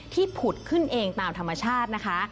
ผุดขึ้นเองตามธรรมชาตินะคะ